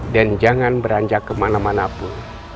dan jangan beranjak kemana mana pun